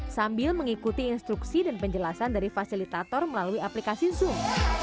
sambil mengikuti instruksi dan penjelasan dari fasilitator melalui aplikasi zoom